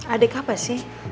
adik apa sih